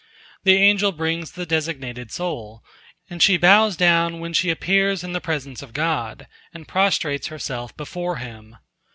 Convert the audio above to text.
The angel brings the designated soul, and she bows down when she appears in the presence of God, and prostrates herself before Him.